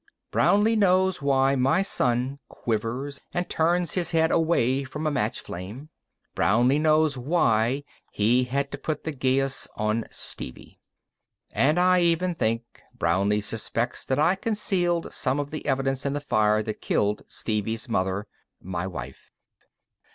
Brownlee knows why my son quivers and turns his head away from a match flame. Brownlee knows why he had to put the geas on Stevie. And I even think Brownlee suspects that I concealed some of the evidence in the fire that killed Stevie's mother my wife.